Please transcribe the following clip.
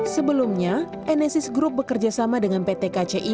sebelumnya enesis group bekerjasama dengan pt kci